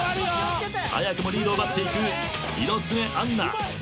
早くもリードを奪っていく猪爪杏奈。